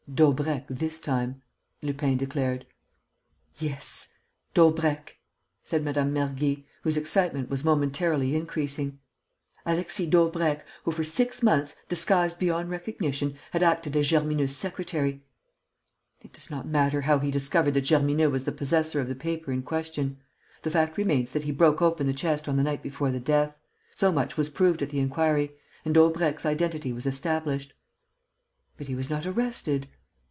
"Daubrecq, this time," Lupin declared. "Yes, Daubrecq," said Madame Mergy, whose excitement was momentarily increasing. "Alexis Daubrecq, who, for six months, disguised beyond recognition, had acted as Germineaux's secretary. It does not matter how he discovered that Germineaux was the possessor of the paper in question. The fact remains that he broke open the chest on the night before the death. So much was proved at the inquiry; and Daubrecq's identity was established." "But he was not arrested?"